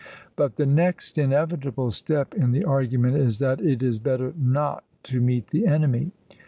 But the next inevitable step in the argument is that it is better not to meet the enemy.